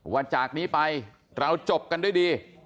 ว่าจากนี้ไปเราจบกันด้วยดี